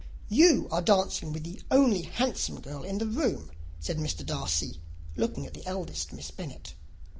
"You are dancing with the only handsome girl in the room," said Mr. Darcy, looking at the eldest Miss Bennet.